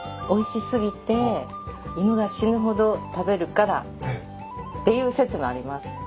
おいし過ぎて犬が死ぬほど食べるからっていう説もあります。